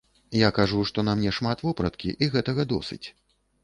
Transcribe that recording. Я кажу, што на мне шмат вопраткі, і гэтага досыць.